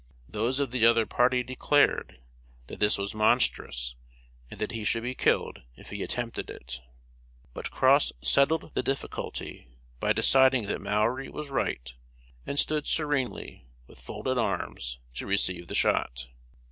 Those of the other party declared that this was monstrous, and that he should be killed if he attempted it. But Cross settled the difficulty by deciding that Mowry was right, and stood serenely, with folded arms, to receive the shot.